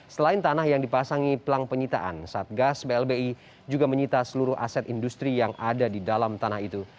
selain tanah yang dipasangi pelang penyitaan satgas blbi juga menyita seluruh aset industri yang ada di dalam tanah itu